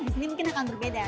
di sini mungkin akan berbeda